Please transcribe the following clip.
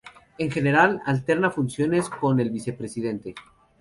En general, alterna funciones con el Vicepresidente.